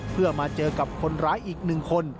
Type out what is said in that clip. เพื่อมาเจอกับคนร้ายอีก๑คน